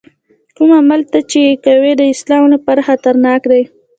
کوم عمل چې ته یې کوې د اسلام لپاره خطرناک دی.